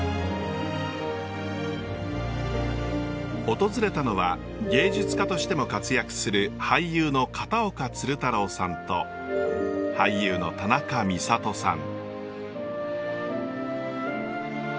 訪れたのは芸術家としても活躍する俳優の片岡鶴太郎さんと俳優の田中美里さん。